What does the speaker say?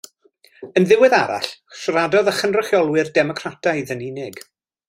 Yn ddiweddarach siaradodd â chynrychiolwyr Democrataidd yn unig.